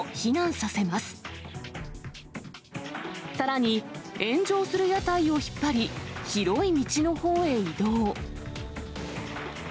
さらに炎上する屋台を引っ張り、広い道のほうへ移動。